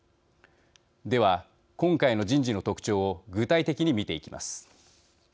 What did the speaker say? では、今回の人事の特徴を具体的に見ていきます。